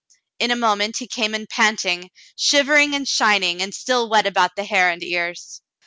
In a moment he came in panting, shivering, and shining, and still wet about the hair and ears.